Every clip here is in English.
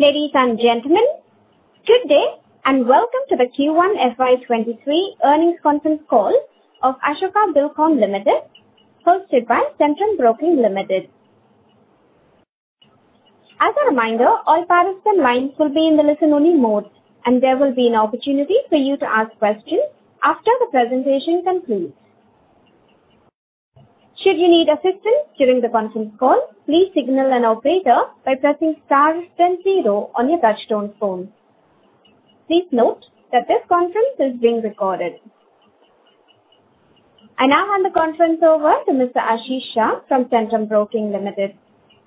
Ladies and gentlemen, good day and welcome to the Q1 FY 2023 earnings conference call of Ashoka Buildcon Limited hosted by Centrum Broking Limited. As a reminder, all participant lines will be in the listen-only mode, and there will be an opportunity for you to ask questions after the presentation concludes. Should you need assistance during the conference call, please signal an operator by pressing star then zero on your touchtone phone. Please note that this conference is being recorded. I now hand the conference over to Mr. Ashish Shah from Centrum Broking Limited.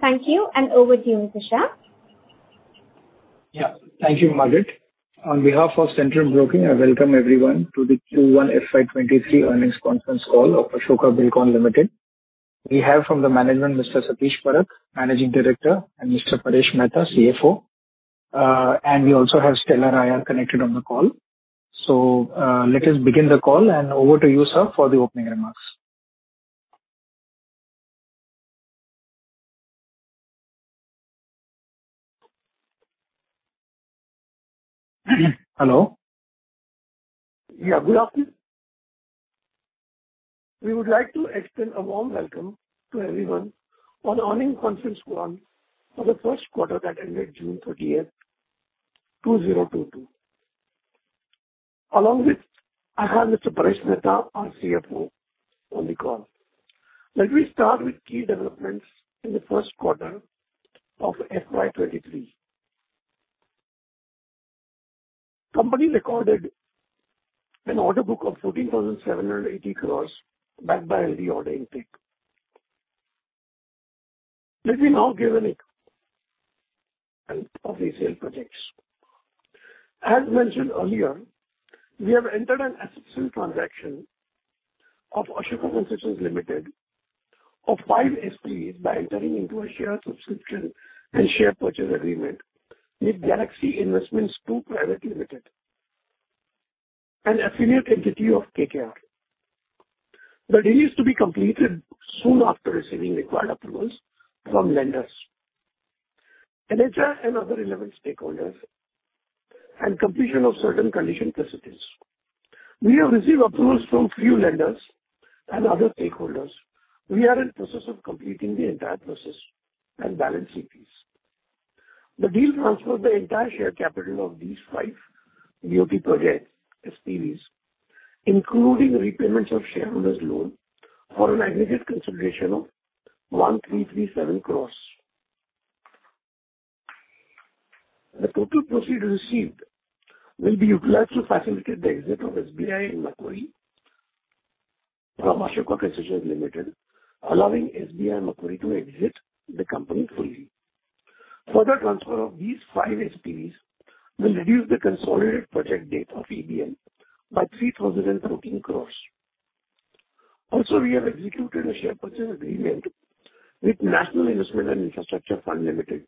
Thank you, and over to you, Mr. Shah. Yeah. Thank you, Margaret. On behalf of Centrum Broking, I welcome everyone to the Q1 FY 2023 earnings conference call of Ashoka Buildcon Limited. We have from the management Mr. Satish Parakh, Managing Director, and Mr. Paresh Mehta, CFO. And we also have Stellar IR connected on the call. Let us begin the call, and over to you, sir, for the opening remarks. Hello. Yeah, good afternoon. We would like to extend a warm welcome to everyone on earnings conference call for the first quarter that ended June 30th, 2022. Along with me, I have Mr. Paresh Mehta, our CFO, on the call. Let me start with key developments in the first quarter of FY 2023. The company recorded an order book of 14,780 crores backed by healthy order intake. Let me now give an overview of these sale projects. As mentioned earlier, we have entered an asset sale transaction of Ashoka Concessions Limited of five SPVs by entering into a share subscription and share purchase agreement with Galaxy Investments II Pte. Ltd., an affiliate entity of KKR. The deal is to be completed soon after receiving required approvals from lenders, NHAI and other relevant stakeholders, and completion of certain conditions precedent. We have received approvals from a few lenders and other stakeholders. We are in the process of completing the entire process and balance CPs. The deal transfers the entire share capital of these five BOT projects SPVs, including repayments of shareholders' loan for an aggregate consideration of 1,337 crores. The total proceeds received will be utilized to facilitate the exit of SBI and Macquarie from Ashoka Concessions Limited, allowing SBI and Macquarie to exit the company fully. Further transfer of these five SPVs will reduce the consolidated project debt of ABL by 3,013 crores. We have executed a share purchase agreement with National Investment and Infrastructure Fund Limited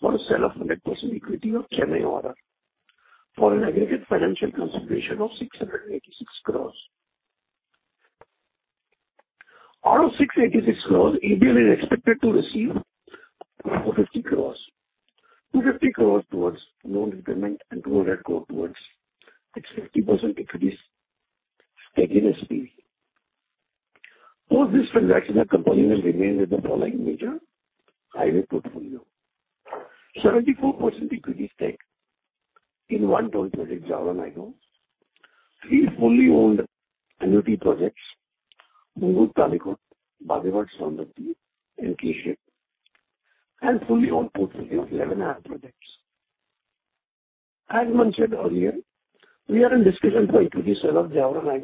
for a sale of 100% equity of GVR Ashoka Chennai ORR Ltd for an aggregate financial consideration of 686 crores. Out of 686 crores, ABL is expected to receive 450 crores. 250 crore towards loan repayment and 200 crore towards its 50% equity stake in SPV. Post this transaction, the company will remain with the following major highway portfolio. 74% equity stake in one toll project, Jaora-Nayagaon, three fully owned annuity projects, Hungund-Talikote, Bhadravati-Sondur, and KSHIP, and fully owned portfolio of 11 HAM projects. As mentioned earlier, we are in discussion for equity sale of Jaora-Nayagaon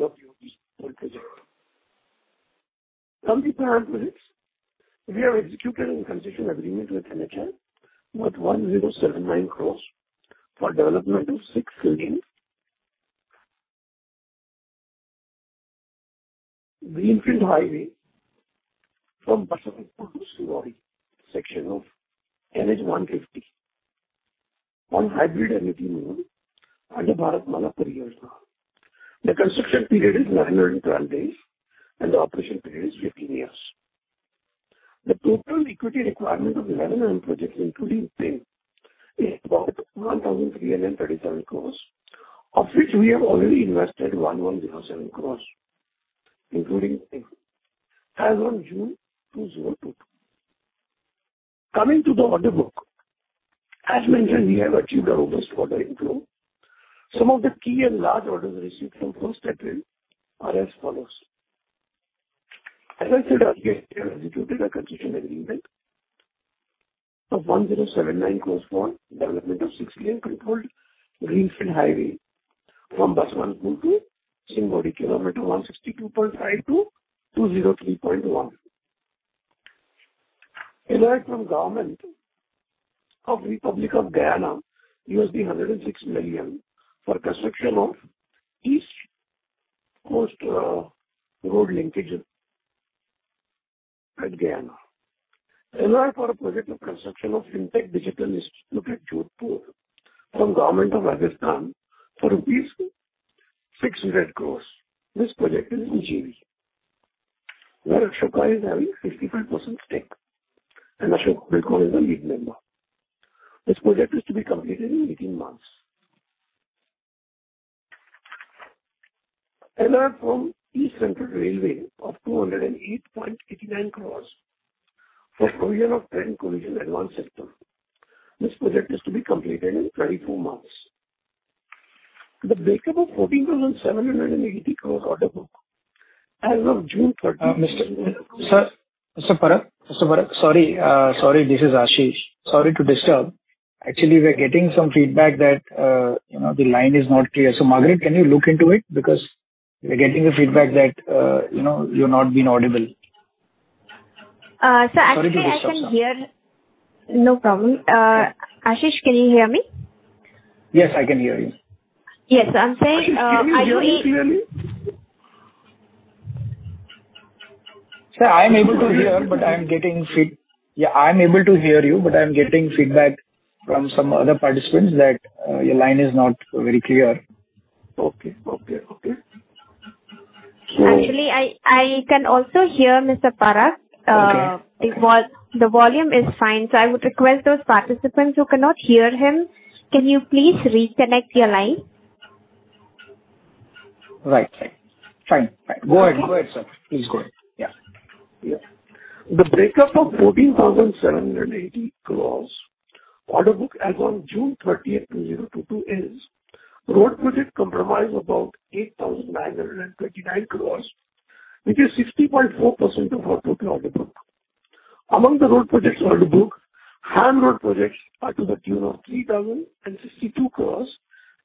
BOT project. Coming to HAM projects, we have executed a concession agreement with NHAI worth 1,079 crore for development of six-lane greenfield highway from Baswantpur to Singnodi section of NH 150 on hybrid annuity mode under Bharatmala Pariyojana. The construction period is 912 days, and the operation period is 15 years. The total equity requirement of 11 HAM projects including this is about INR 1,337 crores, of which we have already invested 1,107 crores including this as on June 2022. Coming to the order book. As mentioned, we have achieved a robust order inflow. Some of the key and large orders received from those that will are as follows. As I said earlier, we have executed a concession agreement of 1,079 crores for development of six-lane controlled greenfield highway from Baswantpur to Singnodi, 162.5 km-203.1 km. ROI from government of Republic of Guyana, $106 million for construction of East Coast Road Linkage at Guyana. ROI for a project of construction of iNTEC Digital Institute at Jodhpur from government of Rajasthan for rupees 600 crores. This project is in JV, where Ashoka Buildcon is having 55% stake and Ashoka Buildcon is the lead member. This project is to be completed in 18 months. LOA from East Central Railway of 208.89 crores for provision of train collision avoidance system. This project is to be completed in 24 months. The breakup of 14,780 crores order book as of June 30- Mr. Satish? Satish Parakh. Satish Parakh, sorry. Sorry, this is Ashish. Sorry to disturb. Actually, we are getting some feedback that, you know, the line is not clear. Margaret, can you look into it? Because we're getting the feedback that, you know, you're not being audible. Uh, sir- Sorry to disturb, sir. Actually, I can hear. No problem. Ashish, can you hear me? Yes, I can hear you. Yes. I'm saying, I only- Ashish, can you hear me clearly? Sir, I am able to hear you, but I'm getting feedback from some other participants that your line is not very clear. Okay. Actually, I can also hear Mr. Parakh. Okay. The volume is fine, so I would request those participants who cannot hear him, can you please reconnect your line? Right. Fine. Go ahead, sir. Please go ahead. Yeah. Yeah. The breakup of 14,780 crore order book as on June 30th, 2022 is road projects comprise about 8,929 crore, which is 60.4% of total order book. Among the road projects order book, HAM road projects are to the tune of 3,062 crore rupees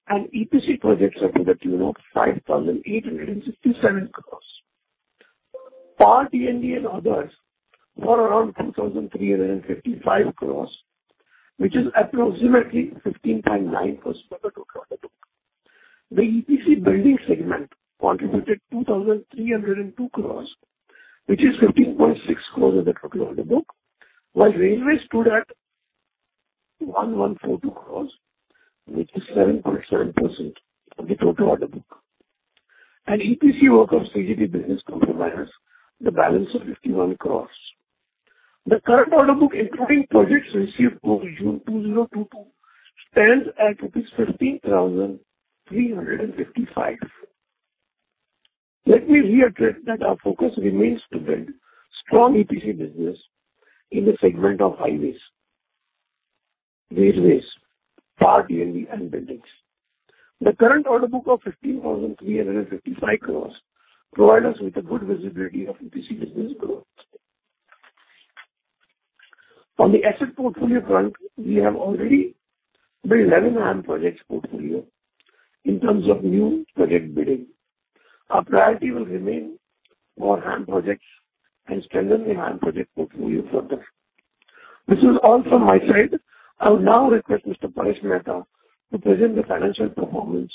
and EPC projects are to the tune of 5,867 crore rupees. Power, T&D and others were around 2,355 crore rupees, which is approximately 15.9% of the total order book. The EPC building segment contributed 2,302 crore, which is 15.6% of the total order book, while railway stood at 1,142 crore, which is 7.7% of the total order book. EPC work of CGD business comprises the balance of 51 crore. The current order book, including projects received over June 2022, stands at INR 15,355 crore. Let me reiterate that our focus remains to build strong EPC business in the segment of highways, railways, power, T&D and buildings. The current order book of 15,355 crore provide us with a good visibility of EPC business growth. On the asset portfolio front, we have already built 11 HAM projects portfolio. In terms of new project bidding, our priority will remain more HAM projects and strengthen the HAM project portfolio further. This is all from my side. I will now request Mr. Paresh Mehta to present the financial performance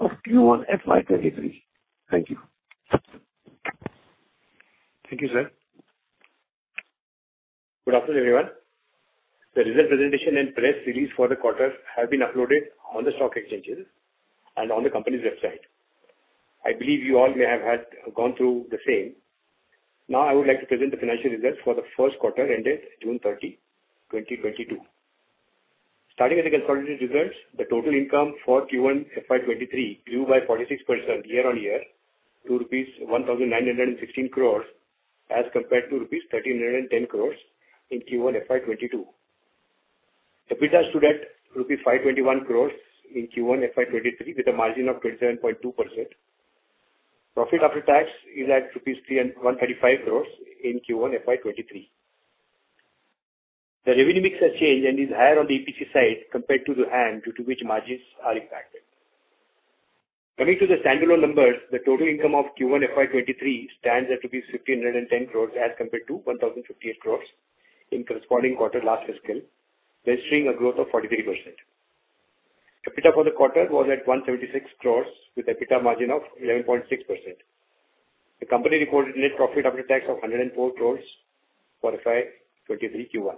of Q1 FY 2023. Thank you. Thank you, sir. Good afternoon, everyone. The results presentation and press release for the quarter have been uploaded on the stock exchanges and on the company's website. I believe you all may have had gone through the same. Now, I would like to present the financial results for the first quarter ended June 30, 2022. Starting with the consolidated results, the total income for Q1 FY 2023 grew by 46% year-on-year to rupees 1,916 crores as compared to rupees 1,310 crores in Q1 FY 2022. EBITDA stood at rupees 521 crores in Q1 FY 2023 with a margin of 27.2%. Profit after tax is at 301.35 crores rupees in Q1 FY 2023. The revenue mix has changed and is higher on the EPC side compared to the HAM, due to which margins are impacted. Coming to the standalone numbers, the total income of Q1 FY 2023 stands at 1,510 crore as compared to 1,058 crore in corresponding quarter last fiscal, registering a growth of 43%. EBITDA for the quarter was at 176 crore with EBITDA margin of 11.6%. The company recorded net profit after tax of 104 crore for FY 2023 Q1.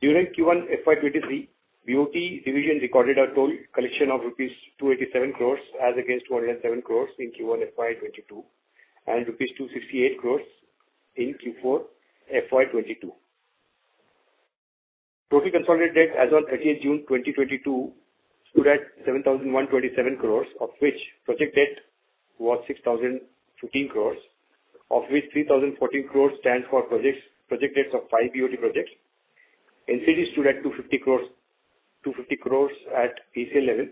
During Q1 FY 2023, BOT division recorded a toll collection of rupees 287 crore as against 207 crore in Q1 FY 2022, and rupees 268 crore in Q4 FY 2022. Total consolidated as on 30 June 2022 stood at 7,127 crores, of which project debt was 6,015 crores, of which 3,014 crores stands for projects, project debts of five BOT projects. NCD stood at 250 crores at face value.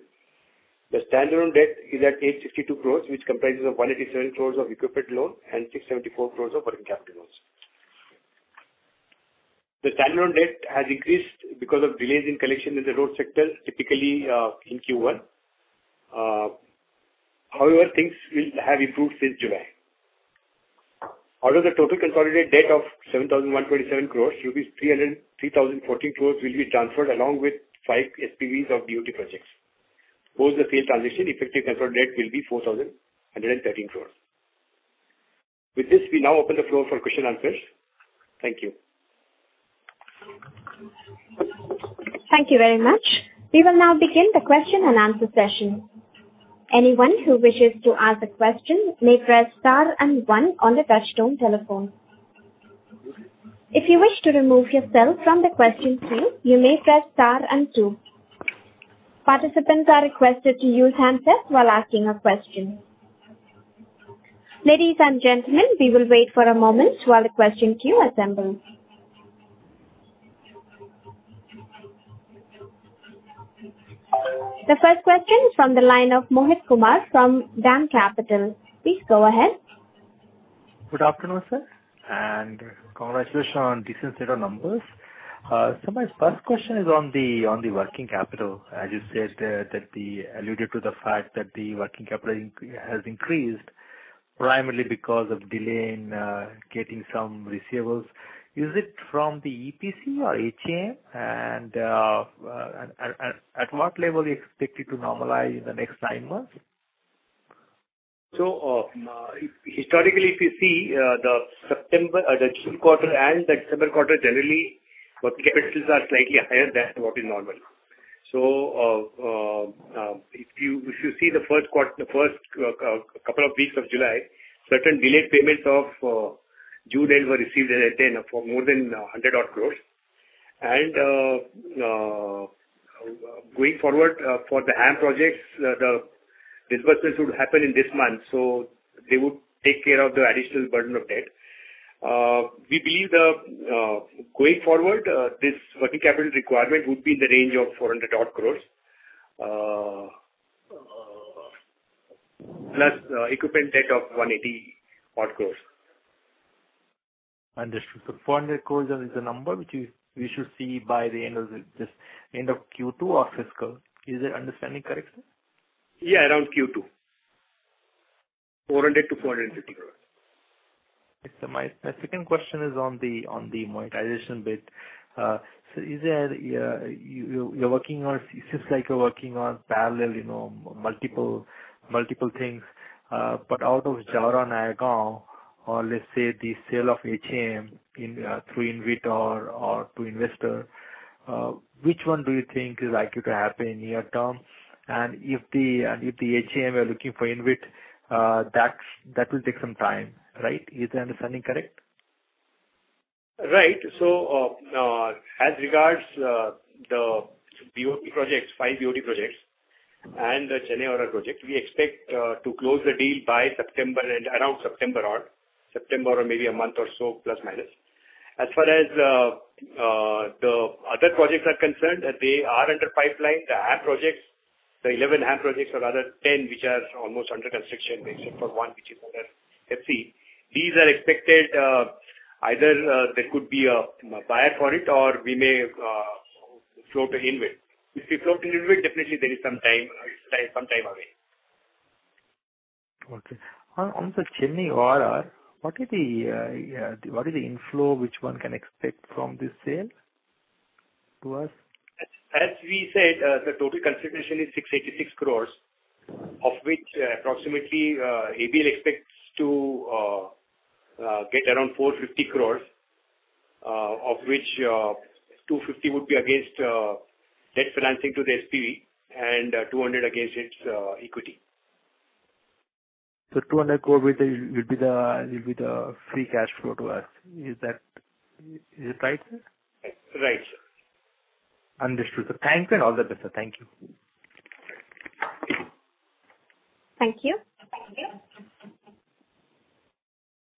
The standalone debt is at 862 crores, which comprises of 187 crores of equipment loan and 674 crores of working capital loans. The standalone debt has increased because of delays in collection in the road sector, typically in Q1. However, things will have improved since July. Out of the total consolidated debt of 7,127 crores, rupees 3,014 crores will be transferred along with five SPVs of BOT projects. Post the sale transition, effective control debt will be 4,113 crores. With this, we now open the floor for question and answers. Thank you. Thank you very much. We will now begin the question and answer session. Anyone who wishes to ask a question may press star and one on the touchtone telephone. If you wish to remove yourself from the question queue, you may press star and two. Participants are requested to use handsets while asking a question. Ladies and gentlemen, we will wait for a moment while the question queue assembles. The first question is from the line of Mohit Kumar from DAM Capital. Please go ahead. Good afternoon, sir, and congratulations on decent set of numbers. My first question is on the working capital. As you said, you alluded to the fact that the working capital has increased primarily because of delay in getting some receivables. Is it from the EPC or HAM? At what level you expect it to normalize in the next nine months? Historically, if you see, the September quarter, the June quarter and the December quarter, generally working capitals are slightly higher than what is normal. If you see the first couple of weeks of July, certain delayed payments of June end were received in May for more than 100 odd crores. Going forward, for the HAM projects, the disbursements would happen in this month, so they would take care of the additional burden of debt. We believe that, going forward, this working capital requirement would be in the range of 400 odd crores, plus equipment debt of 180 odd crores. Understood. 400 crore is the number which we should see by the end of this, end of Q2 or fiscal. Is the understanding correct, sir? Yeah, around Q2. 400-450 crores. My second question is on the monetization bit. It seems like you're working in parallel, you know, multiple things. Out of Jaora-Nayagaon or let's say the sale of HAM through InvIT or to investor, which one do you think is likely to happen near term? If the HAM you're looking for InvIT, that will take some time, right? Is the understanding correct? As regards the BOT projects, five BOT projects and the Chennai ORR project, we expect to close the deal by September and around September or maybe a month or so, plus minus. As far as the other projects are concerned, they are in the pipeline. The HAM projects, the 11 HAM projects or rather 10 which are almost under construction, except for one which is under FC, these are expected either there could be a buyer for it or we may float an InvIT. If we float an InvIT, definitely there is some time away. Okay. On the Chennai ORR, what is the inflow which one can expect from this sale to us? As we said, the total consideration is 686 crores, of which approximately ABL expects to get around 450 crores, of which 250 would be against debt financing to the SPV and 200 against its equity. 200 crore will be the free cash flow to us. Is it right, sir? Right, sir. Understood, sir. Thank you and all the best, sir. Thank you. Thank you.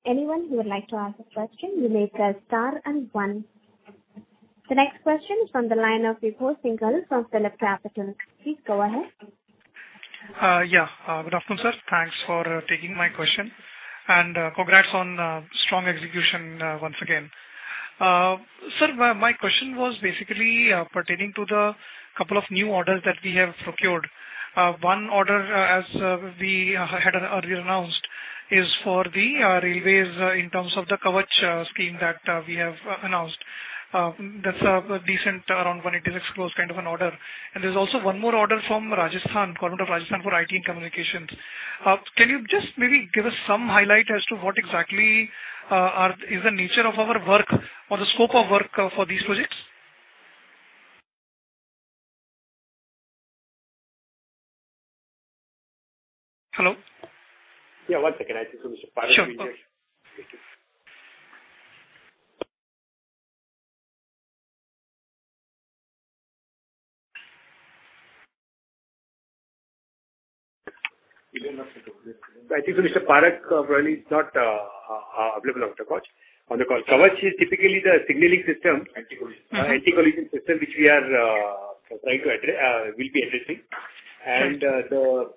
Anyone who would like to ask a question, you may press star and one. The next question is from the line of Vibhor Singhal from PhillipCapital. Please go ahead. Yeah. Good afternoon, sir. Thanks for taking my question. Congrats on strong execution once again. Sir, my question was basically pertaining to the couple of new orders that we have procured. One order, as we had earlier announced is for the railways in terms of the Kavach scheme that we have announced. That's a decent around 186 crores kind of an order. There's also one more order from Rajasthan, Government of Rajasthan for IT and communications. Can you just maybe give us some highlight as to what exactly is the nature of our work or the scope of work for these projects? Hello? Yeah, one second. I think so, Mr. Parakh. Sure. Thank you. I think Mr. Parakh probably is not available on the call. Kavach is typically the signaling system. Anti-collision. Anti-collision system, which we will be addressing. The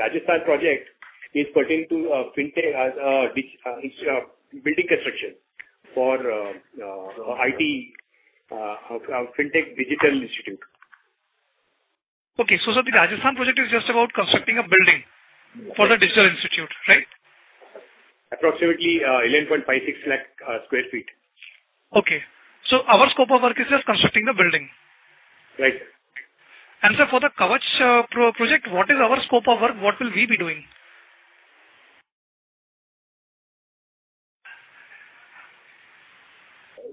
Rajasthan project is pertaining to fintech, which is building construction for iNTEC Digital Institute. Okay. Sir, the Rajasthan project is just about constructing a building for the Digital Institute, right? Approximately 11.56 lakh sq ft. Okay. Our scope of work is just constructing the building. Right. Sir, for the Kavach project, what is our scope of work? What will we be doing?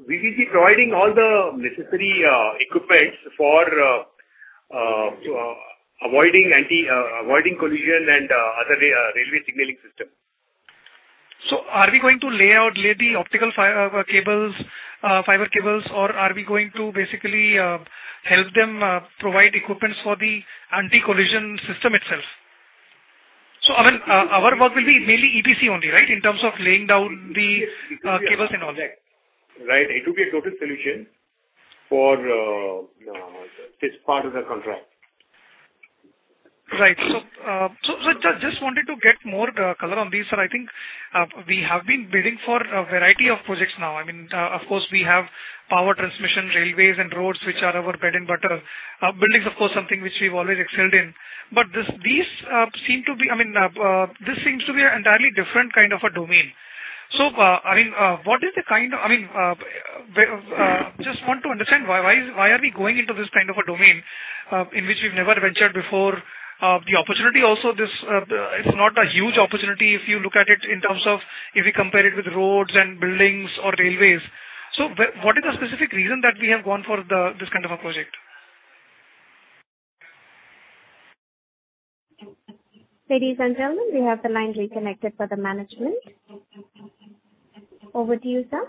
We will be providing all the necessary equipment for avoiding collision and other railway signaling system. Are we going to lay the optical fiber cables, or are we going to basically help them provide equipment for the anti-collision system itself? I mean, our work will be mainly EPC only, right, in terms of laying down the cables and all that. Right. It will be a total solution for this part of the contract. Right. Just wanted to get more color on this. I think we have been bidding for a variety of projects now. I mean, of course, we have power transmission, railways, and roads, which are our bread and butter. Buildings, of course, something which we've always excelled in. This seems to be an entirely different kind of a domain. I mean, just want to understand why are we going into this kind of a domain in which we've never ventured before? It's not a huge opportunity if you look at it in terms of if we compare it with roads and buildings or railways. What is the specific reason that we have gone for this kind of a project? Ladies and gentlemen, we have the line reconnected for the management. Over to you, sir.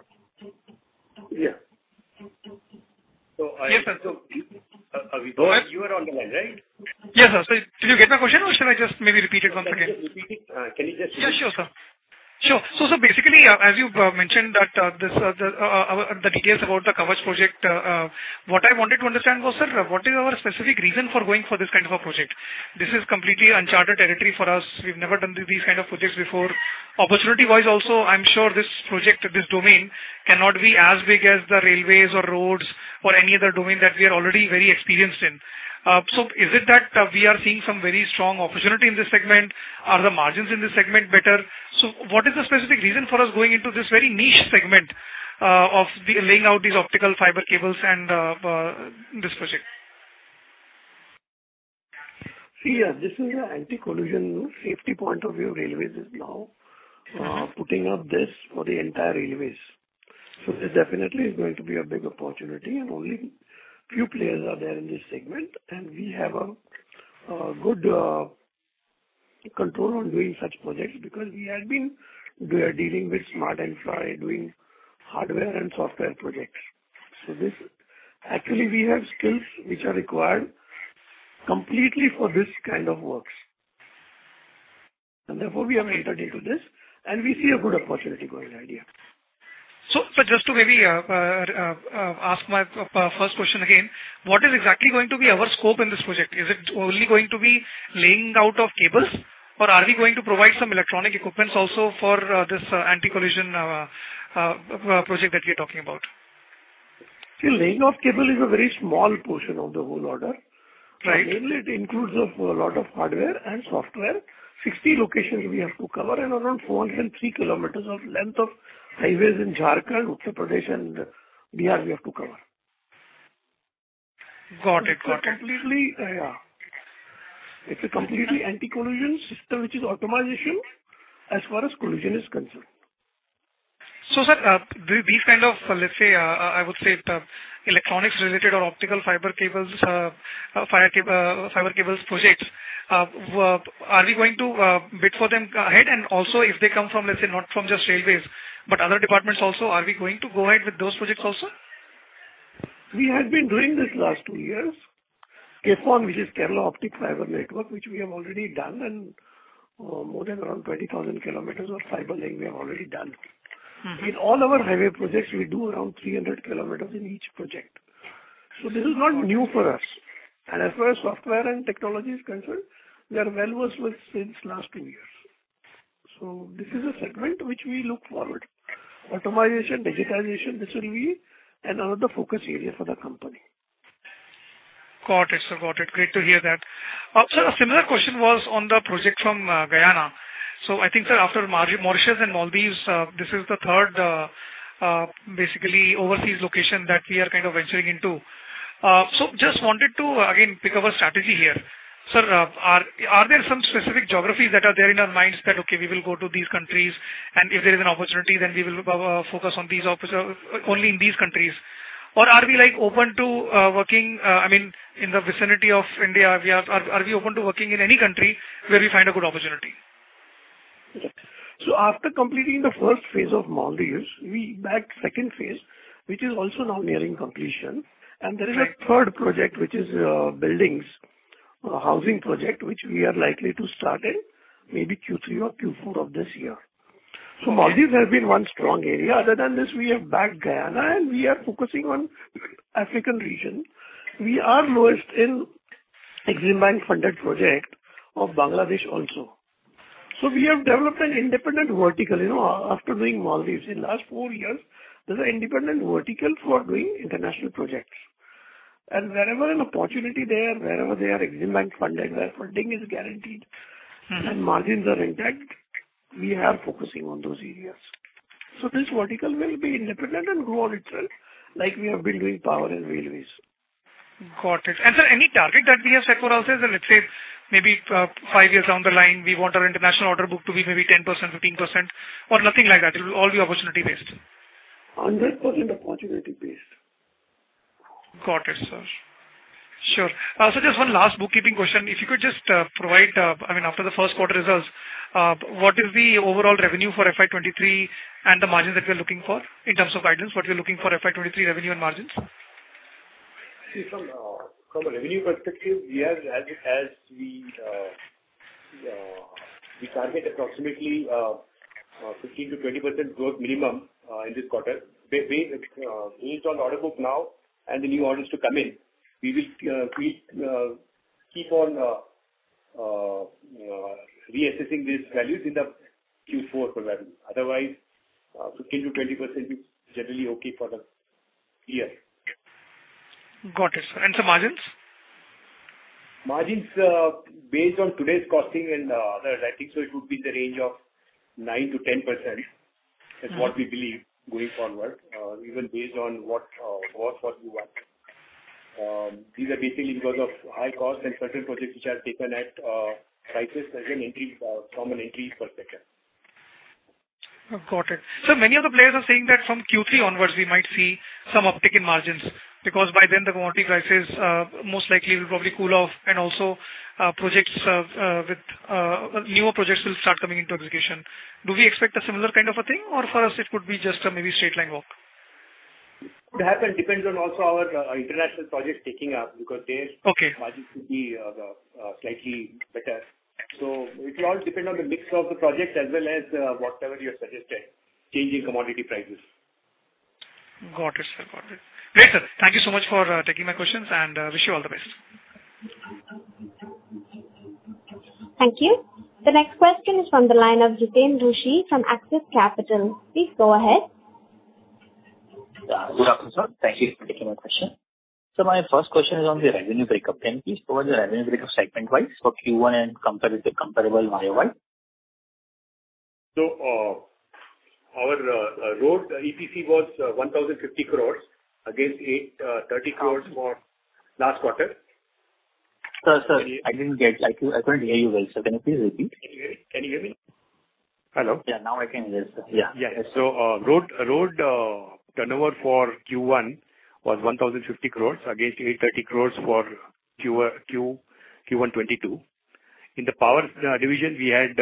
Yeah. Yes, sir. So, Abhi- Go ahead. You are on the line, right? Yes, sir. Did you get my question or should I just maybe repeat it once again? Can you just repeat it? Yeah, sure, sir. Sure. Basically, as you mentioned that the details about the Kavach project, what I wanted to understand was, sir, what is our specific reason for going for this kind of a project? This is completely uncharted territory for us. We've never done these kind of projects before. Opportunity-wise also, I'm sure this project, this domain cannot be as big as the railways or roads or any other domain that we are already very experienced in. Is it that we are seeing some very strong opportunity in this segment? Are the margins in this segment better? What is the specific reason for us going into this very niche segment of the laying out these optical fiber cables and this project? See, yeah, this is an anti-collision safety point of view. Railways is now putting up this for the entire railways. This definitely is going to be a big opportunity, and only few players are there in this segment. We have a good control on doing such projects because we have been, we are dealing with Smart Infra doing hardware and software projects. Actually, we have skills which are required completely for this kind of works. Therefore, we have entered into this, and we see a good opportunity going ahead, yeah. Sir, just to maybe ask my first question again, what is exactly going to be our scope in this project? Is it only going to be laying out of cables, or are we going to provide some electronic equipments also for this anti-collision project that we're talking about? See, laying of cable is a very small portion of the whole order. Right. Mainly it includes a lot of hardware and software. 60 locations we have to cover and around 403 km of length of highways in Jharkhand, Uttar Pradesh, and Bihar we have to cover. Got it. Got it. Completely, yeah. It's a completely anti-collision system, which is automation as far as collision is concerned. sir, these kind of, let's say, I would say, electronics related or optical fiber cables, fiber cables projects, are we going to bid for them ahead? Also, if they come from, let's say, not from just railways, but other departments also, are we going to go ahead with those projects also? We have been doing this last two years. KFON, which is Kerala Fibre Optic Network, which we have already done, and more than around 20,000 km of fiber laying we have already done. Mm-hmm. In all our highway projects, we do around 300 km in each project. This is not new for us. As far as software and technology is concerned, we are well-versed with since last two years. This is a segment which we look forward. Automation, digitization, this will be another focus area for the company. Got it, sir. Got it. Great to hear that. Sir, a similar question was on the project from Guyana. I think, sir, after Mauritius and Maldives, this is the third, basically overseas location that we are kind of venturing into. Just wanted to again pick our strategy here. Sir, are there some specific geographies that are there in our minds that, okay, we will go to these countries, and if there is an opportunity, then we will focus on these only in these countries? Or are we, like, open to working, I mean, in the vicinity of India, we are. Are we open to working in any country where we find a good opportunity? After completing the first phase of Maldives, we bagged second phase, which is also now nearing completion. Right. There is a third project, which is, buildings, housing project, which we are likely to start in maybe Q3 or Q4 of this year. Maldives has been one strong area. Other than this, we have bagged Guyana, and we are focusing on African region. We are lowest in Exim Bank funded project of Bangladesh also. We have developed an independent vertical, you know, after doing Maldives. In last four years, there's an independent vertical for doing international projects. Wherever an opportunity there, wherever they are Exim Bank funded, where funding is guaranteed. Mm-hmm. Margins are intact, we are focusing on those areas. This vertical will be independent and grow on itself like we have been doing power and railways. Got it. Sir, any target that we have set for ourselves, let's say maybe five years down the line, we want our international order book to be maybe 10%, 15%, or nothing like that, it will all be opportunity based? 100% opportunity based. Got it, sir. Sure. Just one last bookkeeping question. If you could just provide, I mean, after the first quarter results, what is the overall revenue for FY 2023 and the margins that we are looking for in terms of guidance, what you're looking for FY 2023 revenue and margins? From a revenue perspective, we target approximately 15%-20% growth minimum in this quarter based on order book now and the new orders to come in. We will keep on reassessing these values in the Q4 for revenue. Otherwise, 15%-20% is generally okay for the year. Got it, sir. Sir, margins? Margins are based on today's costing and the rating, so it would be in the range of 9%-10%. Mm-hmm. This is what we believe going forward, even based on what we want. These are basically because of high costs and certain projects which are taken at prices as an increase from an increase perspective. Got it. Sir, many of the players are saying that from Q3 onwards we might see some uptick in margins because by then the commodity prices, most likely will probably cool off and also, with newer projects will start coming into execution. Do we expect a similar kind of a thing, or for us it could be just a maybe straight line walk? It could happen. Depends on also our international projects picking up because their- Okay. Margins could be slightly better. It will all depend on the mix of the projects as well as whatever you have suggested, changing commodity prices. Got it, sir. Got it. Great, sir. Thank you so much for taking my questions, and wish you all the best. Thank you. The next question is from the line of Jiteen Rushe from Axis Capital. Please go ahead. Yeah. Good afternoon, sir. Thank you for taking my question. My first question is on the revenue breakup. Can you please provide the revenue breakup segment-wise for Q1 and comparative YOY? Our road EPC was 1,050 crores against 830 crores for last quarter. Sir, I didn't get. I couldn't hear you well, sir. Can you please repeat? Can you hear it? Can you hear me? Hello? Yeah, now I can hear, sir. Yeah. Road turnover for Q1 was 1,050 crores against 830 crores for Q1 2022. In the power division, we had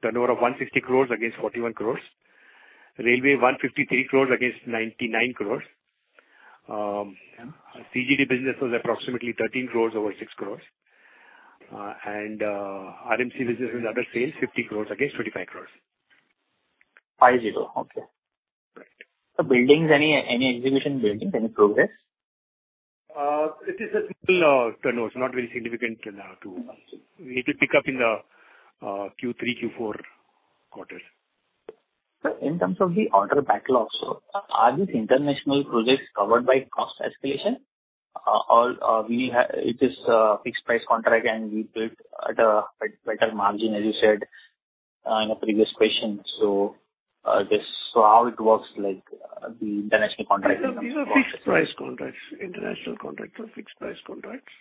turnover of 160 crores against 41 crores. Railway, 153 crores against 99 crores. CGD business was approximately 13 crores over 6 crores. RMC business and other sales, 50 crores against 35 crores. 50 crores. Okay. Correct. Buildings, any exhibition buildings, any progress? It is a small turnover. It's not very significant. It will pick up in the Q3, Q4 quarters. Sir, in terms of the order backlogs, are these international projects covered by cost escalation? It is fixed-price contract and we build at a better margin, as you said, in a previous question. How it works like the international contracts. These are fixed price contracts. International contracts are fixed price contracts.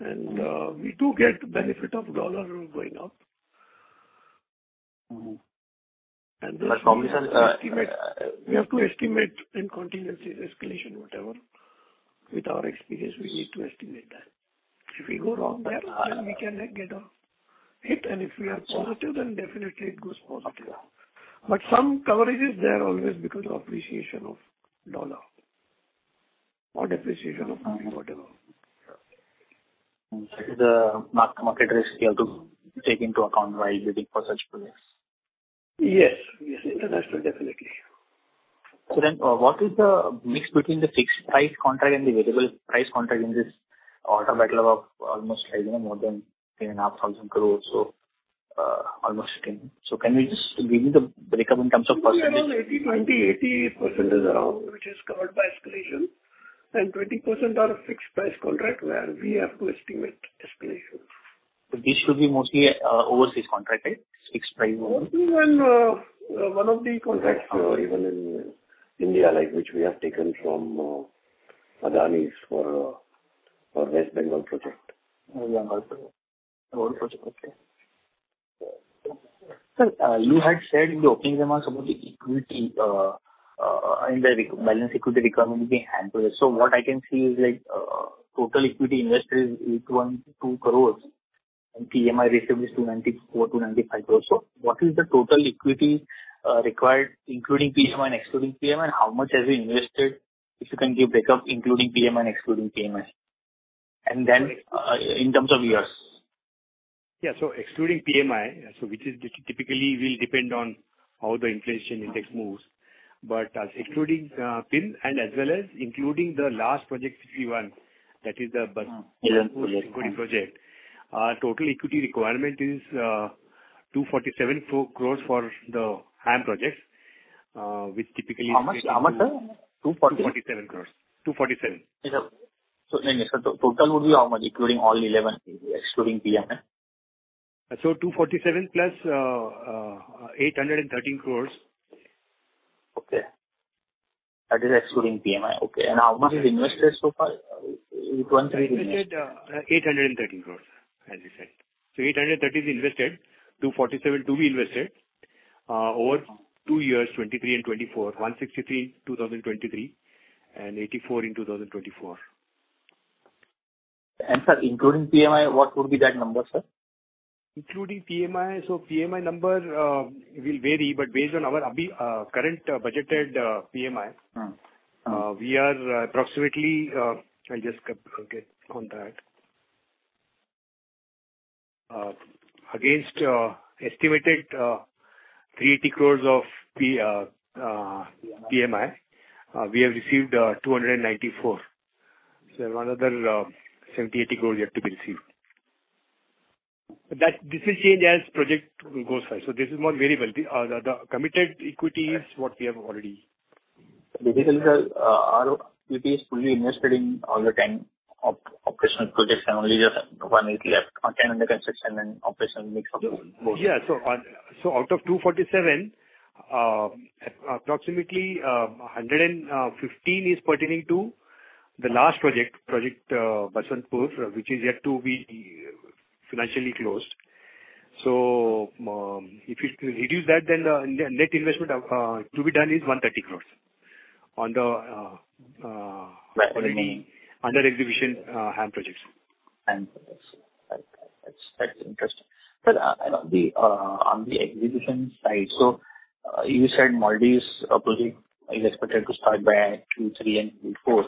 We do get benefit of dollar going up. Mm-hmm. This estimate, we have to estimate in contingencies, escalation, whatever. With our experience, we need to estimate that. If we go wrong there, then we can get a hit and if we are positive, then definitely it goes positive. Some coverage is there always because of appreciation of dollar or depreciation of rupee, whatever. The market risk you have to take into account while bidding for such projects. Yes. Yes, international definitely. What is the mix between the fixed price contract and the variable price contract in this order backlog of almost INR 10,500 crore? Can we just give me the breakup in terms of percentage? Around 80%, 20%, 80% around which is covered by escalation and 20% are fixed price contracts where we have to estimate escalation. These should be mostly overseas contracts, right? Fixed price. Mostly when one of the contracts are even in India, like which we have taken from Adani for West Bengal project. West Bengal project. Road project, okay. Sir, you had said in the opening remarks about the equity, in the re-balance equity requirement being handled. What I can see is like, total equity invested is 812 crores and PMI received is 294, 295 crores. What is the total equity required, including PMI and excluding PMI, and how much have you invested? If you can give breakup including PMI and excluding PMI. Then, in terms of years. Excluding PMI, which is typically will depend on how the inflation index moves. Excluding PIN and as well as including the last project 61, that is the bus equity project, total equity requirement is 247 crores for the HAM projects, which typically How much, sir? How much, sir? 247 crores. 247. Yes, sir. Sir, the total would be how much including all 11, excluding PMI? 247 crores + 813 crores Okay. That is excluding PMI. Okay. How much is invested so far with one three- Invested 830 crore, as you said. 830 crore is invested. 247 to be invested over two years, 2023 and 2024. 163, 2023, and 84 in 2024. Sir, including PMI, what would be that number, sir? Including PMI. PMI number will vary, but based on our current budgeted PMI. Mm-hmm. Against estimated 380 crores of equity, we have received 294 crores. Another 70-80 crores yet to be received. That. This will change as project goes, right? This is more variable. The committed equity is what we have already. Basically, sir, our equity is fully invested in all the 10 operational projects and only just 180 left on 10 under construction and operational mix of both. Out of 247 crores, approximately 115 crores is pertaining to the last project, Baswantpur, which is yet to be financially closed. If you reduce that, then the net investment to be done is 130 crores on the. Right. Under execution, HAM projects. That's interesting. You know, on the execution side, you said Maldives project is expected to start by Q3 and Q4.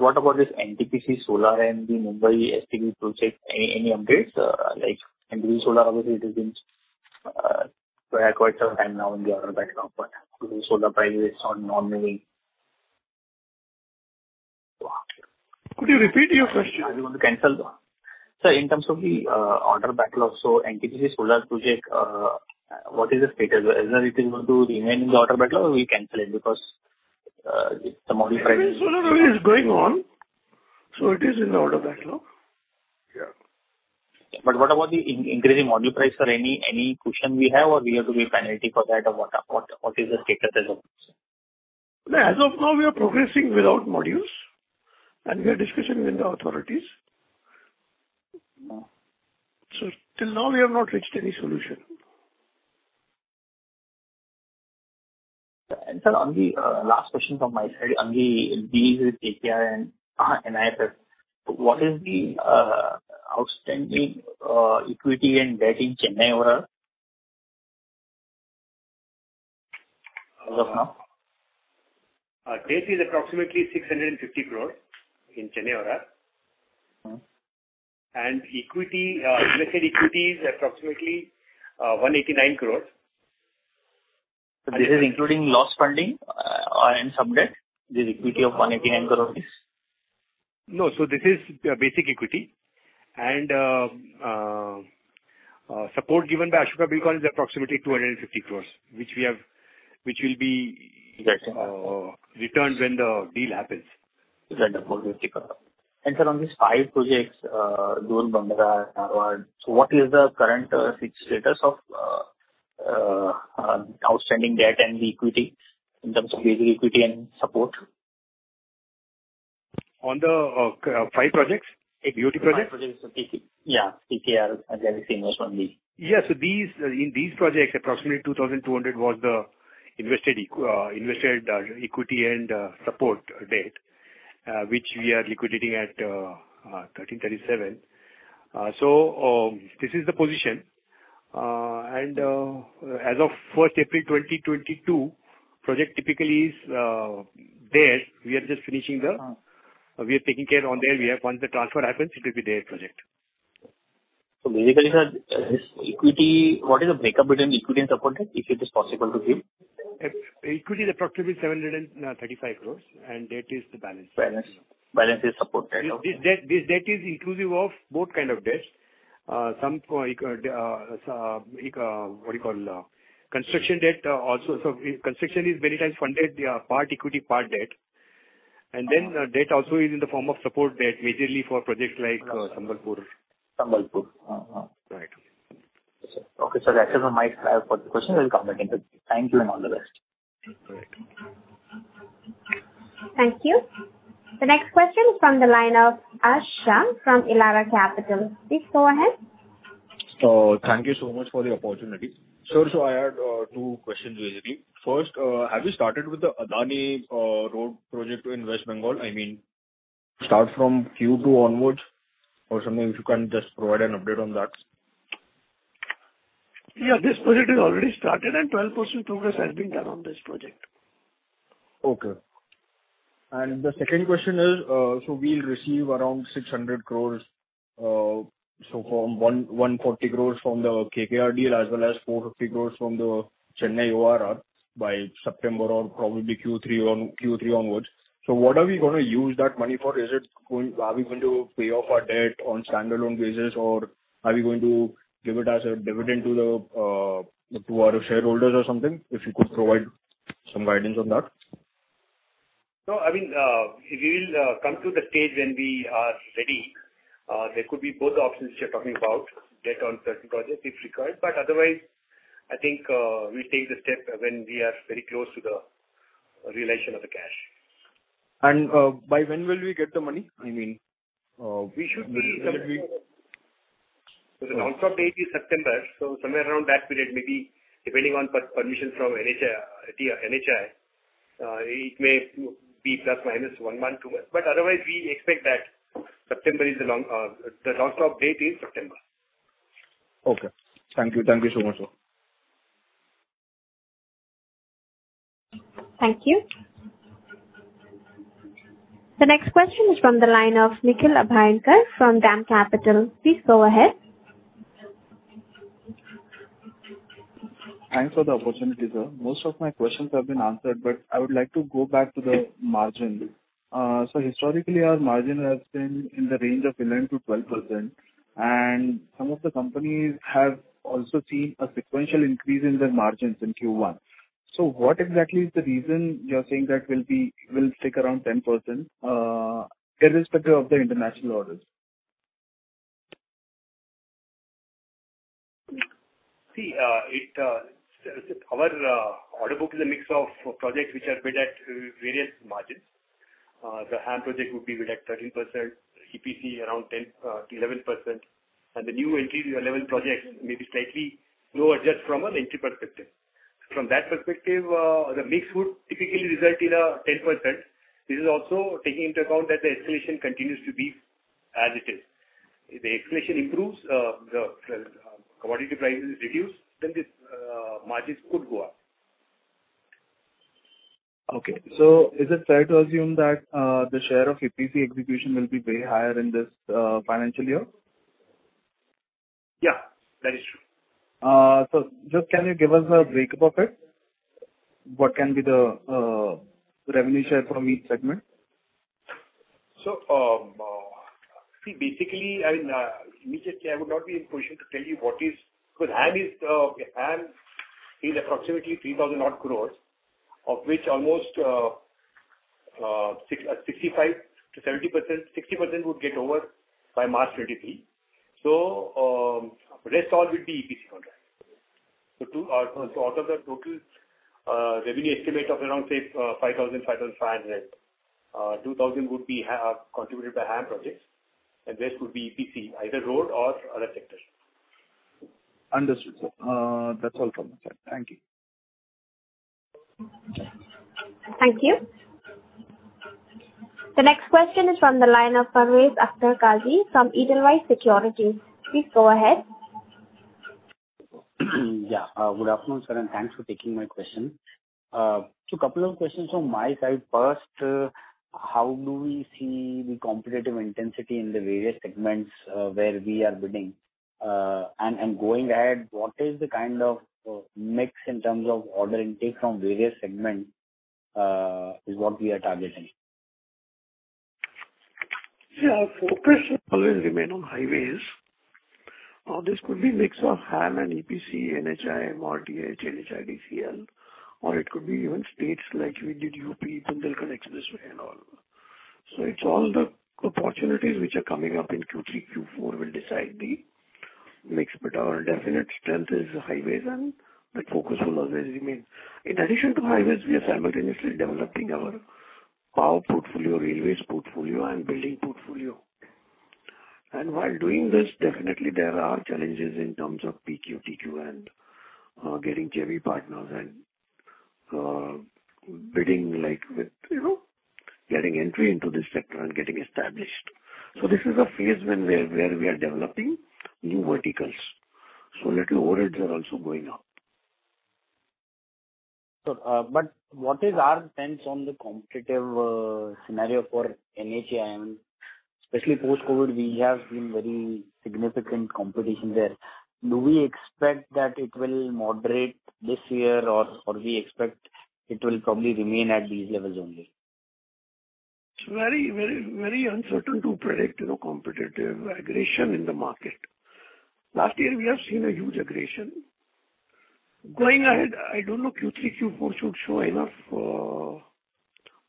What about this NTPC solar and the Mumbai MMRDA project? Any updates, like, and this solar obviously it has been for quite some time now in the order backlog, but solar price is on non-renewing. Could you repeat your question? Sir, in terms of the order backlog, NTPC solar project, what is the status? Is that it is going to remain in the order backlog or we cancel it because the module price? NTPC solar project is going on, so it is in the order backlog. Yeah. What about the increasing module price, sir? Any cushion we have, or we have to pay penalty for that or what is the status as of now, sir? As of now we are progressing without modules, and we are discussing with the authorities. Mm-hmm. Till now we have not reached any solution. Sir, on the last question from my side on the deals with KKR and NIIF, what is the outstanding equity and debt in Chennai ORR as of now? Debt is approximately 650 crores in Chennai ORR. Mm-hmm. Equity invested equity is approximately 189 crores. This is including less funding and some debt, the equity of 189 crores rupees? No. This is basic equity and support given by Ashoka Buildcon is approximately 250 crores, which will be- Yes. returned when the deal happens. When the project is completed. Sir, on these five projects, Ghodbunder, Narwar, so what is the current financial status of outstanding debt and the equity in terms of basic equity and support? On the five projects? KUT projects? Five projects. TC, yeah, KKR and everything was from the- Yes. In these projects, approximately 2,200 was the invested equity and support debt, which we are liquidating at 1,337. This is the position. As of April 1, 2022, project typically is theirs. We are just finishing the. Uh-huh. We are taking care on their behalf. Once the transfer happens, it will be their project. Basically, sir, this equity, what is the breakup between equity and support debt, if it is possible to give? Equity is approximately 735 crore, and debt is the balance. Balance is support debt. Okay. This debt is inclusive of both kind of debts. Some for construction debt also. Construction is many times funded part equity, part debt. Then debt also is in the form of support debt, majorly for projects like Sambalpur. Sambalpur. Got it. Okay, sir. That's all from me for the questions and comments. Thank you and all the best. All right. Thank you. The next question is from the line of Ashok from Elara Capital. Please go ahead. Thank you so much for the opportunity. Sir, I had two questions basically. First, have you started with the Adani road project in West Bengal? I mean, start from Q2 onwards or something, if you can just provide an update on that. Yeah, this project is already started and 12% progress has been done on this project. Okay. The second question is, so we'll receive around 600 crores, so from 140 crores from the KKR deal, as well as 450 crores from the Chennai ORR by September or probably Q3 onwards. What are we gonna use that money for? Are we going to pay off our debt on standalone basis, or are we going to give it as a dividend to our shareholders or something? If you could provide some guidance on that. No, I mean, if we will come to the stage when we are ready, there could be both options you're talking about get on certain projects if required. Otherwise, I think, we'll take the step when we are very close to the realization of the cash. By when will we get the money? I mean, We should be- Will it be- The longstop date is September, so somewhere around that period, maybe depending on permission from NHAI, it may be plus minus one month, two months. Otherwise we expect that September is the longstop date. Okay. Thank you. Thank you so much, sir. Thank you. The next question is from the line of Nikhil Abhyankar from DAM Capital. Please go ahead. Thanks for the opportunity, sir. Most of my questions have been answered, but I would like to go back to the margin. Historically our margin has been in the range of 11%-12%, and some of the companies have also seen a sequential increase in their margins in Q1. What exactly is the reason you're saying that will stick around 10%, irrespective of the international orders? Our order book is a mix of projects which are bid at various margins. The HAM project would be bid at 13%, EPC around 10%-11%. The new entry level projects may be slightly lower just from an entry perspective. From that perspective, the mix would typically result in a 10%. This is also taking into account that the escalation continues to be as it is. If the escalation improves, the commodity prices reduce, then this margins could go up. Is it fair to assume that the share of EPC execution will be way higher in this financial year? Yeah, that is true. Just, can you give us a break-up of it? What can be the revenue share from each segment? Immediately I would not be in position to tell you what is. Because HAM is approximately 3,000 crores, of which almost 65%-70%, 60% would get over by March 2023. Rest all will be EPC contracts. Out of the total revenue estimate of around, say, 5,000-5,500, 2,000 would be HAM-contributed by HAM projects and rest would be EPC, either road or other sectors. Understood, sir. That's all from my side. Thank you. Thank you. The next question is from the line of Parvez Akhtar Qazi from Edelweiss Securities. Please go ahead. Yeah. Good afternoon, sir, and thanks for taking my question. So couple of questions from my side. First, how do we see the competitive intensity in the various segments where we are bidding? Going ahead, what is the kind of mix in terms of order intake from various segment is what we are targeting? Yeah. Focus will always remain on highways. This could be mix of HAM and EPC, NHAI, MoRTH, NHAI, NHIDCL, or it could be even states like we did Bundelkhand Expressway and all. It's all the opportunities which are coming up in Q3, Q4 will decide the mix. Our definite strength is highways and that focus will always remain. In addition to highways, we are simultaneously developing our power portfolio, railways portfolio and building portfolio. While doing this, definitely there are challenges in terms of PQ, TQ and getting JV partners and bidding, like with, you know, getting entry into this sector and getting established. This is a phase when we are developing new verticals, so little overheads are also going up. Sir, what is our stance on the competitive scenario for NHAI? I mean, especially post-COVID, we have seen very significant competition there. Do we expect that it will moderate this year or we expect it will probably remain at these levels only? It's very uncertain to predict, you know, competitive aggression in the market. Last year we have seen a huge aggression. Going ahead, I don't know, Q3, Q4 should show enough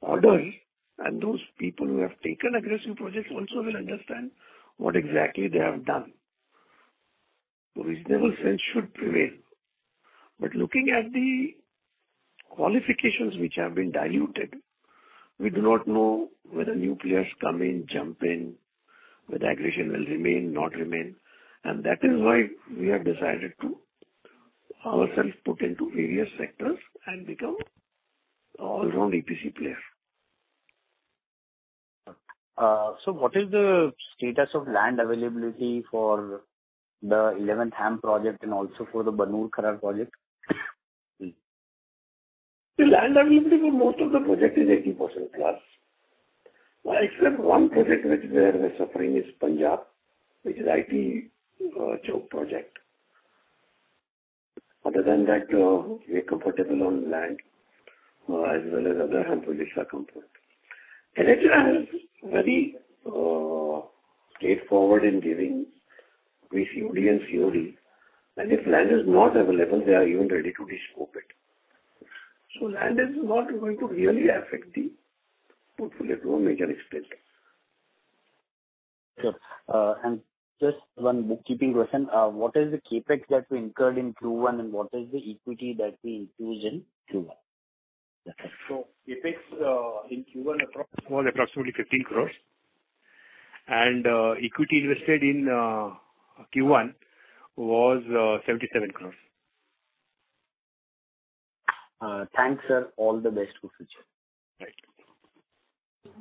orders, and those people who have taken aggressive projects also will understand what exactly they have done. Reasonable sense should prevail. Looking at the qualifications which have been diluted, we do not know whether new players come in, jump in, whether aggression will remain, not remain. That is why we have decided to ourself put into various sectors and become all around EPC player. What is the status of land availability for the eleventh HAM project and also for the Banur-Kharar project? The land availability for most of the project is 80%+. Except one project which we're suffering is Punjab, which is IT City Chowk project. Other than that, we are comfortable on land, as well as other HAM projects are comfortable. Elara has very straightforward in giving COD. If land is not available, they are even ready to descope it. Land is not going to really affect the portfolio to a major extent. Sure. Just one bookkeeping question. What is the CapEx that we incurred in Q1 and what is the equity that we included in Q1? CapEx in Q1 approximately 15 crore and equity invested in Q1 was 77 crore. Thanks, sir. All the best for future. Right.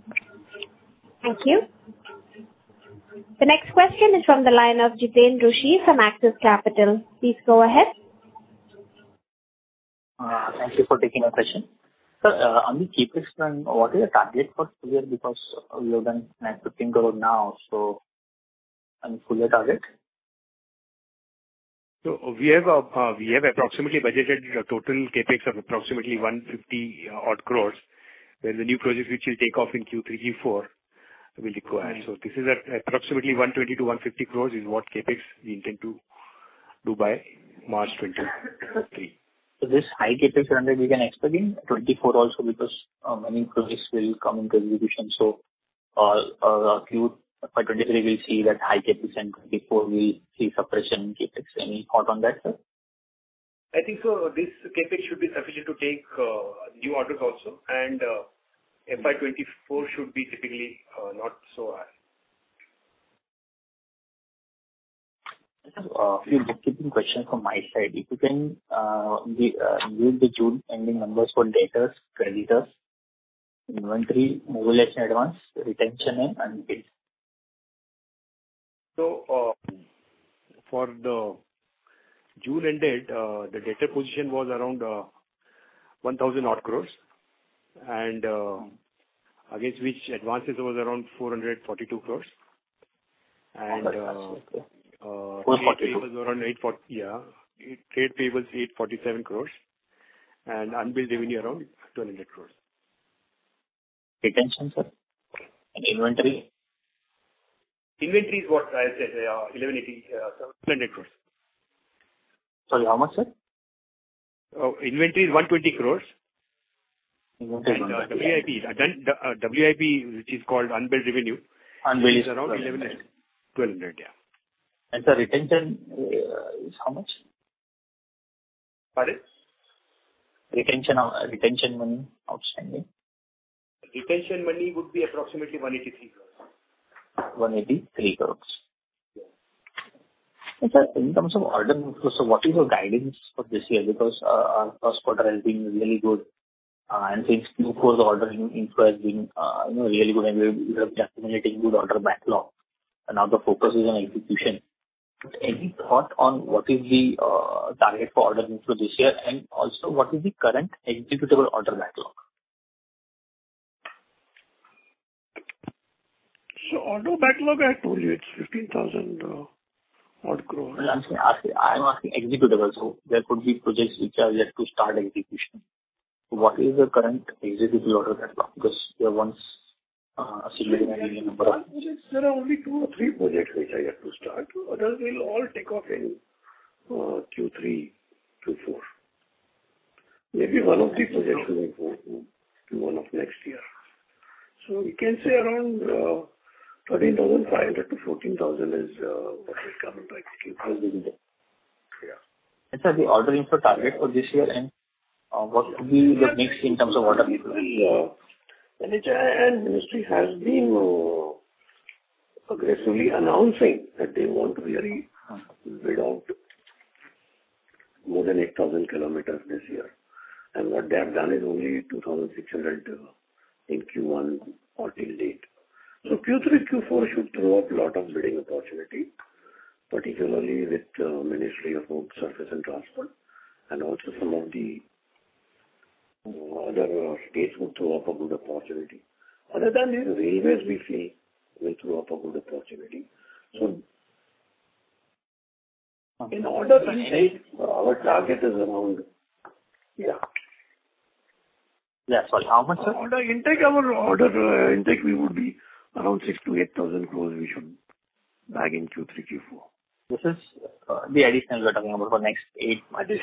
Thank you. The next question is from the line of Jiteen Rushe from Axis Capital. Please go ahead. Thank you for taking my question. Sir, on the CapEx spend, what is the target for this year because you have done 9- 10 crore now, so and full year target? We have approximately budgeted total CapEx of approximately 150 crore, where the new projects which will take off in Q3, Q4 will require. This is at approximately 120-150 crore in what CapEx we intend to do by March 2023. This high CapEx trend we can expect in 2024 also because many projects will come into execution. By 2023 we'll see that high CapEx and 2024 we see suppression in CapEx. Any thought on that, sir? I think so, this CapEx should be sufficient to take new orders also. FY 2024 should be typically not so high. A few bookkeeping questions from my side. If you can, give the June ending numbers for debtors, creditors, inventory, mobile advance, retention and unbilled. For the June ended, the debt position was around 1,000 odd crores against which advances was around 442 crores. 442 crores. Around 840 crores, yeah. Trade payables 847 crores and unbilled revenue around 200 crores. Retention, sir, and inventory. Inventory is what I said, 1,187. 200 crores. Sorry, how much, sir? Inventory is 120 crores. Inventory is 120 crores. WIP, which is called unbilled revenue- Unbilled is. -is around 1,180. 1,200, yeah. Sir, retention, is how much? Sorry? Retention money outstanding. Retention money would be approximately 183 crores. 183 crores. Yeah. Sir, in terms of order inflow, so what is your guidance for this year? Because our first quarter has been really good, and since Q4 the order inflow has been you know, really good and we have been accumulating good order backlog and now the focus is on execution. Any thought on what is the target for order inflow this year, and also what is the current executable order backlog? Order backlog, I told you it's 15,000 odd crore. I am asking executable. There could be projects which are yet to start execution. What is the current executable order backlog? Because you have once said INR 11 billion number. There are only two or three projects which are yet to start. Others will all take off in Q3, Q4. Maybe one or two projects will go to one of next year. We can say around 13,500-14,000 is what will come in by Q4 this year. Yeah. Sir, the order inflow target for this year and what could be the mix in terms of order? The ministry has been aggressively announcing that they want to really bid out more than 8,000 kilometers this year. What they have done is only 2,600 in Q1 or till date. Q3, Q4 should throw up a lot of bidding opportunity, particularly with Ministry of Road Transport and Highways. Also some of the other states would throw up a good opportunity. Other than this, railways we feel will throw up a good opportunity. In order intake, our target is around. Yeah. Sorry, how much, sir? order intake would be around 6,000-8,000 crores we should bag in Q3, Q4. This is the additional we're talking about for next eight monthly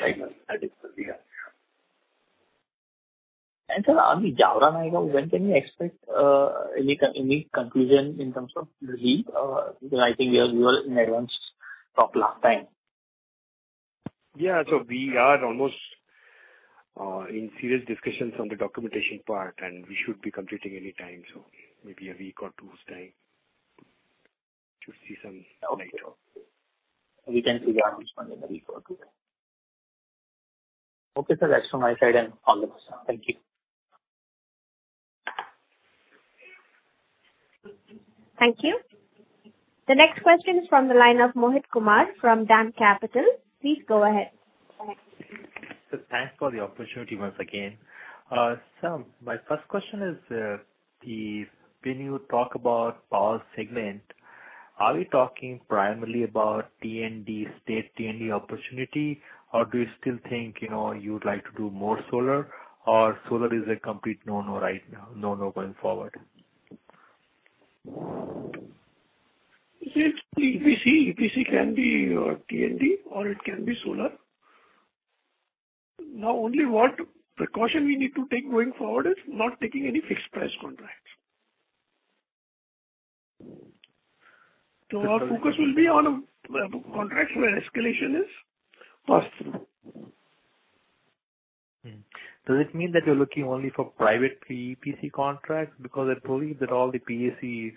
cycles that is for the year. Sir, on the Jaora-Nayagaon, when can we expect any conclusion in terms of the deal? Because I think we were in advance talk last time. We are almost in serious discussions on the documentation part, and we should be completing any time, so maybe a week or two's time to see some outcome. Okay. We can see the announcement in a week or two then. Okay, sir. That's from my side and all the best. Thank you. Thank you. The next question is from the line of Mohit Kumar from DAM Capital. Please go ahead. Sir, thanks for the opportunity once again. So my first question is, when you talk about power segment, are we talking primarily about T&D, state T&D opportunity or do you still think, you know, you'd like to do more solar or solar is a complete no-no right now, no-no going forward? Since the EPC can be T&D or it can be solar. Now, only what precaution we need to take going forward is not taking any fixed price contracts. Our focus will be on contracts where escalation is possible. Does it mean that you're looking only for private EPC contracts? Because I believe that all the PSU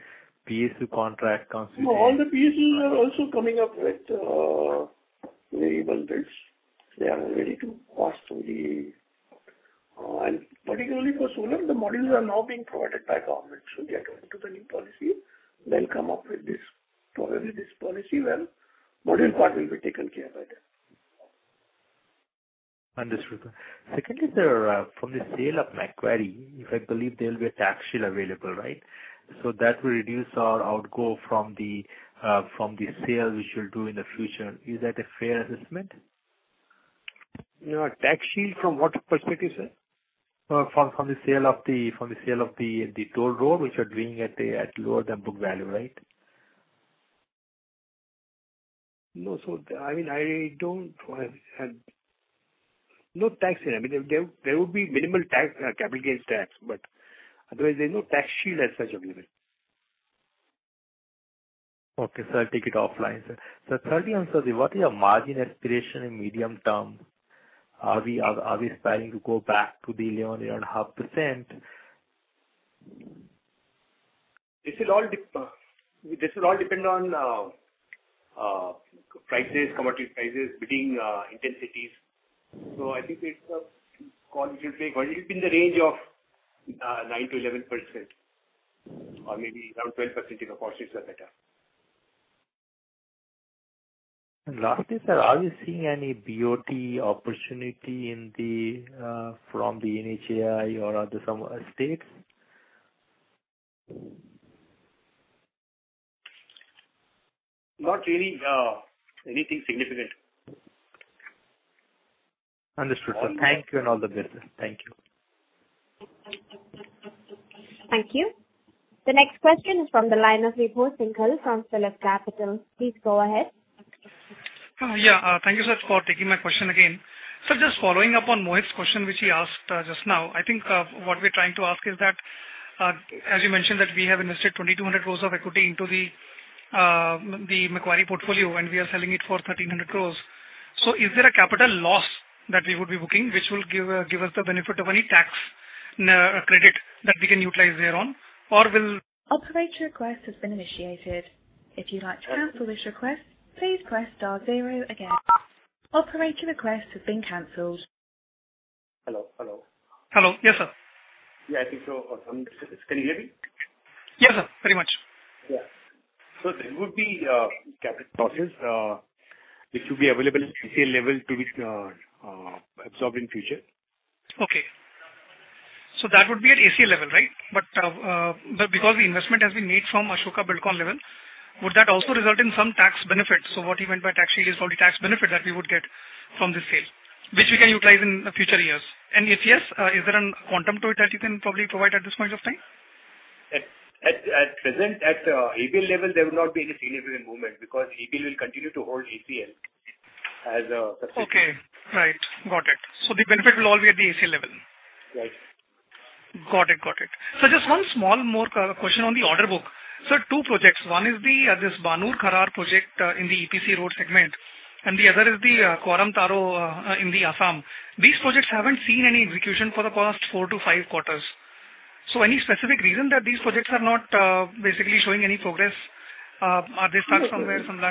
contracts constitute- No, all the PSEs are also coming up with variable bids. Particularly for solar, the models are now being provided by government. They are according to the new policy. They'll come up with this, probably this policy where model part will be taken care by them. Understood, sir. Secondly, sir, from the sale of Macquarie, if I believe there'll be a tax shield available, right? That will reduce our outgo from the sale we shall do in the future. Is that a fair assessment? You know, a tax shield from what perspective, sir? From the sale of the toll road which you're doing at lower than book value, right? No. I mean, I don't have no tax shield. I mean, there would be minimal tax, capital gains tax, but otherwise there's no tax shield as such available. Okay, sir. I'll take it offline, sir. Thirdly, on, sir, what is your margin aspiration in medium term? Are we aspiring to go back to the 11.5%? This will all depend on prices, commodity prices, bidding intensities. I think it will be in the range of 9%-11%. Or maybe around 12% if opportunities are better. Lastly, sir, are you seeing any BOT opportunity from the NHAI or some other states? Not really, anything significant. Understood, sir. Thank you and all the best. Thank you. Thank you. The next question is from the line of Vibhor Singhal from PhillipCapital. Please go ahead. Yeah. Thank you, sir, for taking my question again. Sir, just following up on Mohit's question which he asked just now. I think what we're trying to ask is that as you mentioned that we have invested 2,200 crore of equity into the Macquarie portfolio, and we are selling it for 1,300 crore. Is there a capital loss that we would be booking, which will give us the benefit of any tax credit that we can utilize thereon? Or will- Operator, your request has been initiated. If you'd like to cancel this request, please press star zero again. Operator, your request has been canceled. Hello. Hello. Hello. Yes, sir. Yeah, I think so. Can you hear me? Yes, sir. Very much. Yeah. There would be capital losses, which will be available at ACL level to be absorbed in future. Okay. That would be at ACL level, right? Because the investment has been made from Ashoka Buildcon level, would that also result in some tax benefits? What he meant by tax shield is probably tax benefit that we would get from this sale, which we can utilize in the future years. If yes, is there any quantum to it that you can probably provide at this point of time? At present, at ABL level, there would not be any significant movement because ABL will continue to hold ACL as a subsidiary. Okay. Right. Got it. The benefit will all be at the ACL level. Right. Got it. Sir, just one small more question on the order book. Sir, two projects. One is this Banur-Kharar project in the EPC road segment, and the other is the Kwaram Taro in Assam. These projects haven't seen any execution for the past four to five quarters. Any specific reason that these projects are not basically showing any progress? Are they stuck somewhere from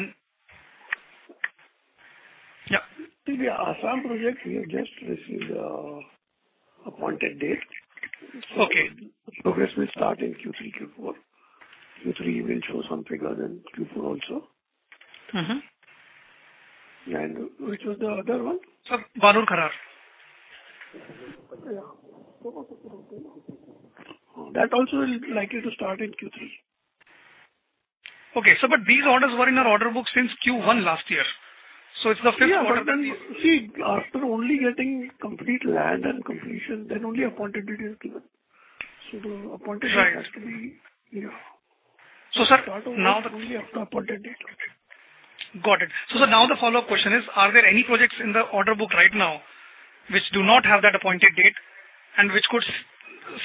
land? Yeah. To the Assam project, we have just received appointed date. Okay. Progress will start in Q3, Q4. Q3 we will show some figures, and Q4 also. Mm-hmm. Which was the other one? Sir, Banur-Kharar. Yeah. That also is likely to start in Q3. Okay. Sir, these orders were in our order book since Q1 last year, so it's the fifth quarter- After only getting complete land and completion, then only appointed date is given. The appointed date has to be. Right. Yeah. Sir, now the Start of work is only after appointed date. Got it. Sir, now the follow-up question is, are there any projects in the order book right now which do not have that appointed date and which could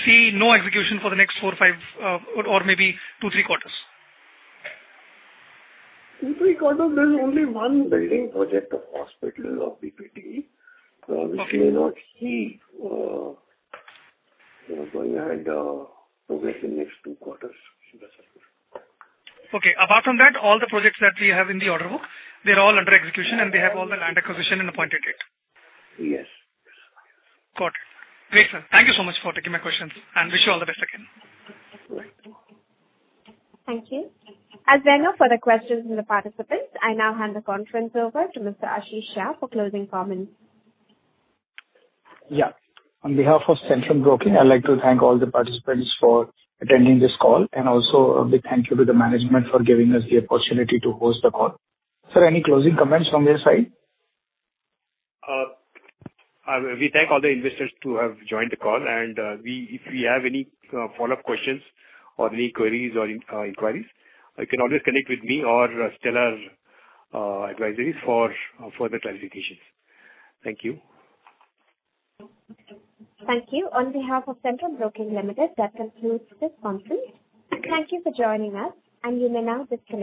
see no execution for the next four, five, or maybe two, three quarters? Two, three quarters, there's only one building project of hospital of PCMC, which may not see, you know, going ahead, progress in next two quarters. Okay. Apart from that, all the projects that we have in the order book, they're all under execution and they have all the land acquisition and appointed date. Yes. Got it. Great, sir. Thank you so much for taking my questions, and wish you all the best again. Thank you. As there are no further questions from the participants, I now hand the conference over to Mr. Ashish Shah for closing comments. Yeah. On behalf of Centrum Broking, I'd like to thank all the participants for attending this call. Also a big thank you to the management for giving us the opportunity to host the call. Sir, any closing comments from your side? We thank all the investors to have joined the call. If you have any follow-up questions or any queries or inquiries, you can always connect with me or Stellar Advisory for further clarifications. Thank you. Thank you. On behalf of Centrum Broking Limited, that concludes this conference. Thank you for joining us, and you may now disconnect your-